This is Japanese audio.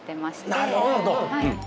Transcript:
なるほど！